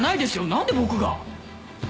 何で僕が？